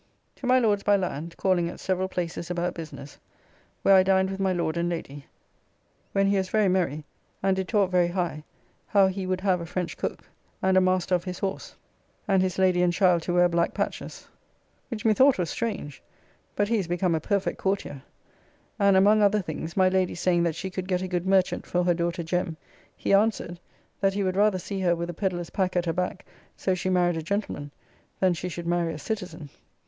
To my Lord's by land, calling at several places about business, where I dined with my Lord and Lady; when he was very merry, and did talk very high how he would have a French cook, and a master of his horse, and his lady and child to wear black patches; which methought was strange, but he is become a perfect courtier; and, among other things, my Lady saying that she could get a good merchant for her daughter Jem., he answered, that he would rather see her with a pedlar's pack at her back, so she married a gentleman, than she should marry a citizen.